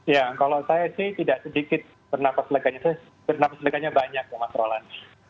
ya kalau saya sih tidak sedikit bernafas leganya saya bernafas leganya banyak ya mas roland